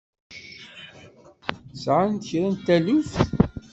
Sɛant kra n taluft?